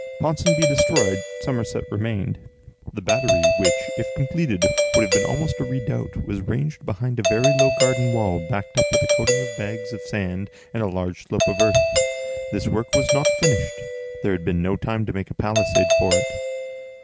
Ponsonby destroyed, Somerset remained. The battery, which, if completed, would have been almost a redoubt, was ranged behind a very low garden wall, backed up with a coating of bags of sand and a large slope of earth. This work was not finished; there had been no time to make a palisade for it.